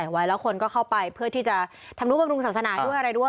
ไว้แล้วคนก็เข้าไปเพื่อที่จะทำรู้บำรุงศาสนาด้วยอะไรด้วย